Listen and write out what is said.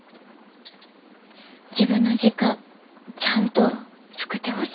自分の時間ちゃんと作ってほしい。